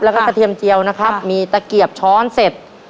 แล้วก็กระเทียมเจียวนะครับมีตะเกียบช้อนเสร็จ